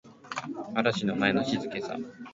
嵐の前の静けさ